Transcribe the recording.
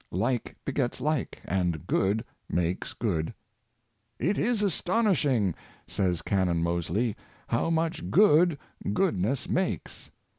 Like begets like, and good makes good. " It is aston ishing," says Canon Moseley, " how much good good ness makes.